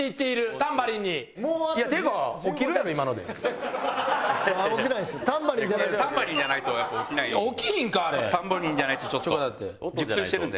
タンバリンじゃないとちょっと起きないので。